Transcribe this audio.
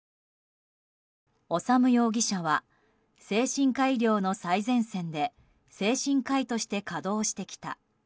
修容疑者は精神科医療の最前線で精神科医として稼働してきた。